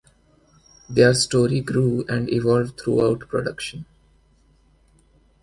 Their story grew and evolved throughout production.